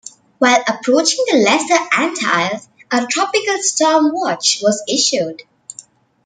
While approaching the Lesser Antilles, a tropical storm watch was issued.